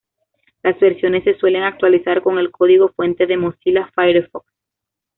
Las versiones se suelen actualizar con el código fuente de Mozilla Firefox.